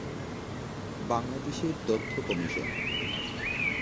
বাংলাদেশের তথ্য কমিশন